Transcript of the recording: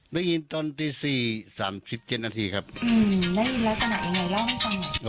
ได้ยินตอนตีสี่สามสิบเจ็ดนาทีครับได้ลักษณะยังไงเล่าให้ฟังหน่อย